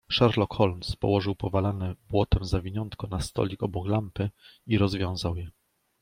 "Sherlock Holmes położył powalane błotem zawiniątko na stolik obok lampy i rozwiązał je."